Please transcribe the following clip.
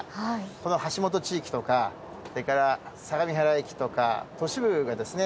この橋本地域とかそれから相模原駅とか都市部がですね